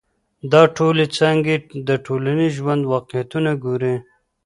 دا ټولي څانګي د ټولنیز ژوند واقعیتونه ګوري.